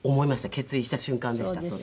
決意した瞬間でしたそれ。